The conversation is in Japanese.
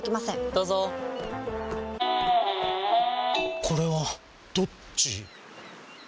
どうぞこれはどっち？